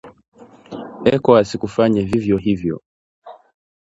Ecowas kufanya vivyo hivyo